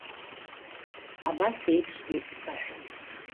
Абас еиԥшгьы саҳәан.